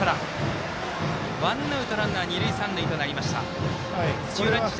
ワンアウト、ランナー、二塁三塁となりました。